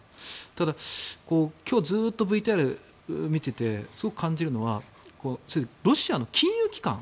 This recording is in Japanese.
ただ、今日ずっとＶＴＲを見ていてすごく感じたのはロシアの金融機関。